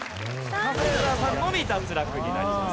カズレーザーさんのみ脱落になります。